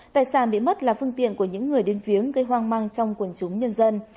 tài sản bị mất là phương tiện của những người đến viếng gây hoang mang trong quần chúng nhân dân